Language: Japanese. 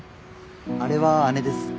あれは姉です。